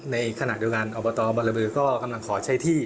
ในขณะเดียวกันอบตบรบือก็กำลังขอใช้ที่